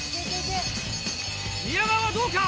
宮川はどうか？